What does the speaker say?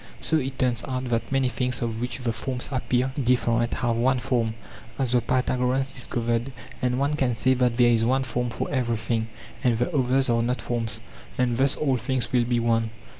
Soit turns out that many things of which the forms appear different have one form, as the Pytha goreans discovered ; and one can say that there is one form for everything, and the others are not forms; and thus all things will be one.